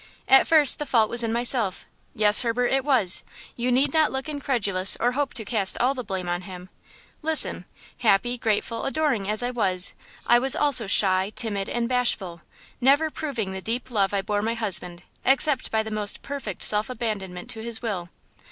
"At first the fault was in myself. Yes, Herbert it was! you need not look incredulous or hope to cast all the blame on him! Listen: Happy, grateful, adoring as I was, I was also shy, timid and bashful–never proving the deep love I bore my husband except by the most perfect self abandonment to his will.